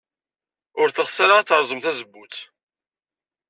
Ur teɣs ara ad terẓem tazewwut.